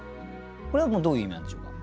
これはどういう意味なんでしょうか？